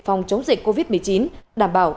phòng chống dịch covid một mươi chín đảm bảo